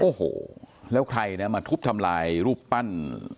โอ้โหแล้วใครนะมาทุบทำลายรูปปั้น